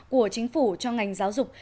của chính phủ cho ngành giáo dục